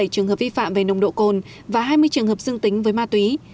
ba trăm hai mươi bảy trường hợp vi phạm về nồng độ cồn và hai mươi trường hợp dương tính với ma túy